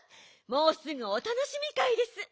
もうすぐおたのしみかいです。